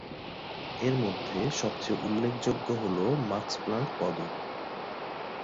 এর মধ্যে সবচেয়ে উল্লেখযোগ্য হলো মাক্স প্লাংক পদক।